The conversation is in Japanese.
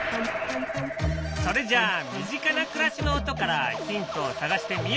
それじゃあ身近な暮らしの音からヒントを探してみよう！